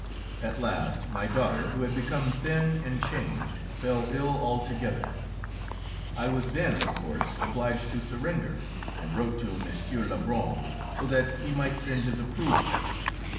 At last my daughter, who had become thin and changed, fell ill altogether. I was then, of course, obliged to surrender, and wrote to M. Lebrun, so that he might send his approval.